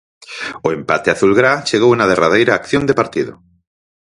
O empate azulgrá chegou na derradeira acción de partido.